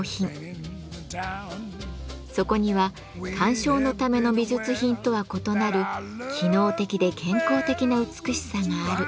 そこには鑑賞のための美術品とは異なる機能的で健康的な美しさがある。